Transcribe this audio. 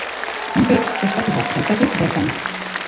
Monjeek ostatu bat daukate bertan.